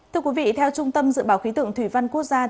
thưa quý vị theo trung tâm dự báo khí tượng thủy văn quốc gia